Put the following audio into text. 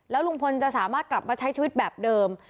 ลุงพลจะสามารถกลับมาใช้ชีวิตแบบเดิม